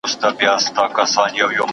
زه خو چا و ته اغزی ،چا ته بهار یم